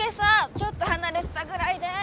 ちょっと離れてたぐらいで！